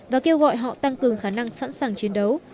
và kêu gọi họ tăng cường khả năng sẵn sàng chiến đấu